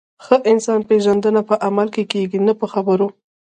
د ښه انسان پیژندنه په عمل کې کېږي، نه په خبرو.